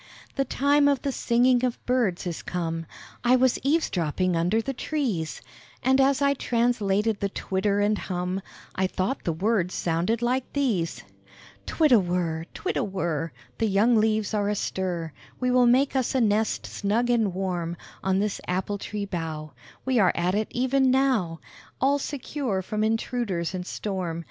The time of the singing of birds is come: I was eaves dropping under the trees; And as I translated the twitter and hum, I thought the words sounded like these: "Twirr a whirr, twirr a whirr, The young leaves are astir; We will make us a nest snug and warm On this apple tree bough We are at it e'en now All secure from intruders and storm.